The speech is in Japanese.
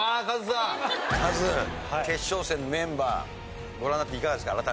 カズ決勝戦のメンバーご覧になっていかがですか？